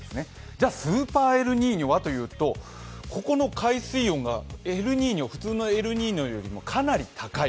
じゃスーパー・エルニーニョはというとここの海水温が普通のエルニーニョよりもかなり高い。